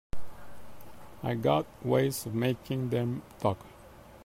I got ways of making them talk.